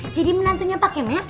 jadi menantinya pake mat